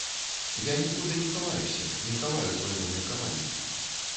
Я нікуды не хаваюся, не хаваю свайго меркавання.